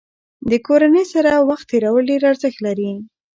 د کورنۍ سره وخت تېرول ډېر ارزښت لري.